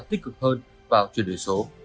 tích cực hơn vào chuyển đổi số